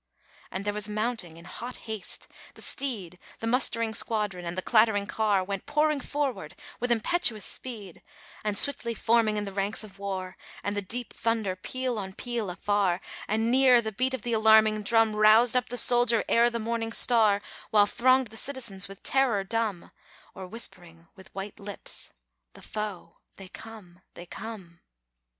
And there was mounting in hot haste: the steed, The mustering squadron, and the clattering car, Went pouring forward with impetuous speed, And swiftly forming in the ranks of war; And the deep thunder peal on peal afar; And near, the beat of the alarming drum Roused up the soldier ere the morning star; While thronged the citizens with terror dumb, Or whispering, with white lips "The foe! They come! they come!"